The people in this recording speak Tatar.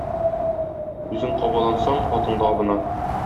Үзең кабалансаң, атың да абына.